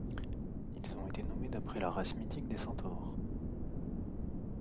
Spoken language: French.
Ils ont été nommés d'après la race mythique des centaures.